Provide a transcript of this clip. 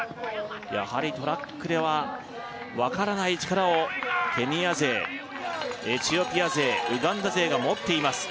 やはりトラックでは分からない力をケニア勢エチオピア勢ウガンダ勢が持っています